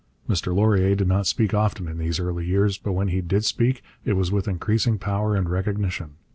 Mr Laurier did not speak often in these early years, but when he did speak it was with increasing power and recognition.